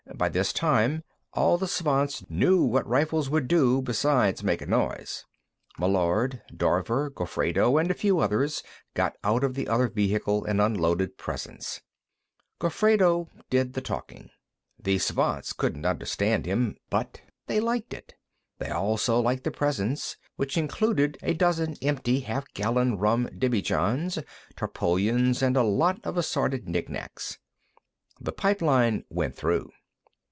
By this time, all the Svants knew what rifles would do beside make a noise. Meillard, Dorver, Gofredo and a few others got out of the other vehicle, and unloaded presents. Gofredo did all the talking. The Svants couldn't understand him, but they liked it. They also liked the presents, which included a dozen empty half gallon rum demijohns, tarpaulins, and a lot of assorted knickknacks. The pipeline went through.